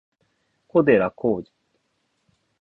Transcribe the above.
小寺浩二